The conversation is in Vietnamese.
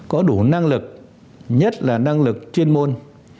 có đủ năng lực nhất là năng lực chuyên môn